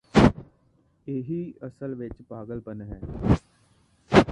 ਇਹੀ ਅਸਲ ਵਿੱਚ ਪਾਗਲ ਪੱਨ ਹੈ